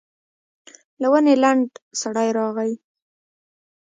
له ونې لنډ سړی راغی.